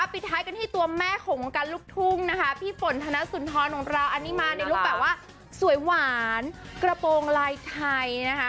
เป็นลูกแบบว่าสวยหวานกระโปรงลายไทยนะฮะ